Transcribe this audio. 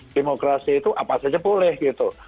demokrasi itu apa saja boleh gitu